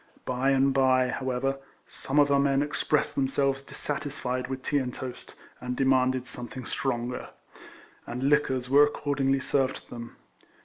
By and bye, however, some of our men expressed themselves dissatisfied with tea and toast, and demanded something stronger ; and liquors were accordingly served to them.